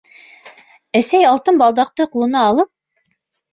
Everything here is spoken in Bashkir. Әсәй алтын балдаҡты ҡулына алып: